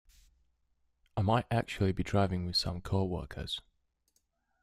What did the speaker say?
I might actually be driving with some coworkers.